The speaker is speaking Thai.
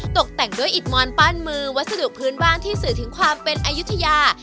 ตกแต่งด้วยอิดมอนปั้นมือวัสดุพื้นบ้านที่สื่อถึงความเป็นอายุทยา